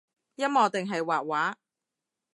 音樂定係畫畫？